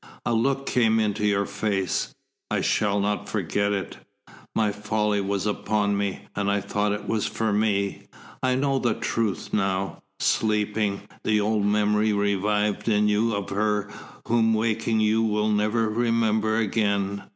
A look came into your face I shall not forget it. My folly was upon me, and I thought it was for me. I know the truth now. Sleeping, the old memory revived in you of her whom waking you will never remember again.